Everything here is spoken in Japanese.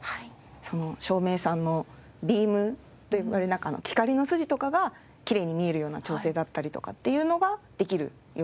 照明さんのビームといわれるなんか光の筋とかがきれいに見えるような調整だったりとかっていうのができるようになってます。